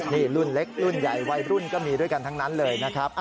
นี่รุ่นเล็กรุ่นใหญ่วัยรุ่นก็มีด้วยกันทั้งนั้นเลยนะครับ